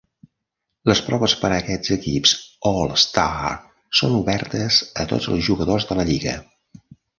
Les proves per a aquests equips All-Star són obertes a tots els jugadors de la lliga.